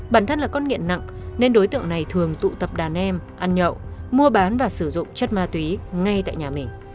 bản thân là con nghiện nặng nên đối tượng này thường tụ tập đàn em ăn nhậu mua bán và sử dụng chất ma túy ngay tại nhà mình